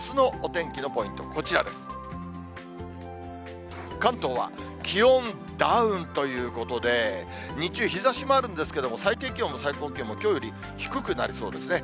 関東は気温ダウンということで、日中、日ざしもあるんですけども、最低気温も最高気温も、きょうより低くなりそうですね。